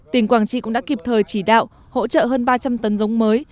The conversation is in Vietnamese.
tỉnh quảng trị cũng đã kịp thời chỉ đạo hỗ trợ hơn ba trăm linh tấn giống mới